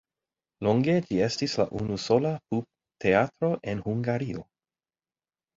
Longe ĝi estis la unusola pupteatro en Hungario.